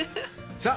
さあ